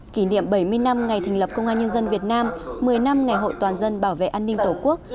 kỷ niệm bảy mươi năm ngày thành lập công an nhân dân việt nam một mươi năm ngày hội toàn dân bảo vệ an ninh tổ quốc